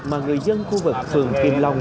mà người dân khu vực phường kim long